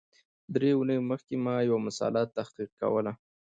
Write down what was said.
درې اونۍ مخکي ما یو مسأله تحقیق کول